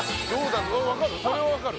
それはわかる？